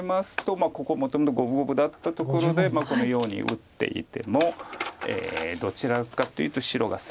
まあここもともと五分五分だったところでこのように打っていてもどちらかというと白が先行して。